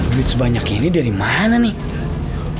duit sebanyak ini dari mana nih